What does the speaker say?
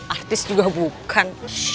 artis juga bukan